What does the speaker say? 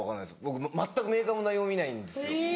僕全くメーカーも何も見ないんですよ。